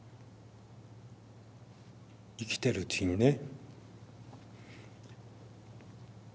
生きてるうちにね。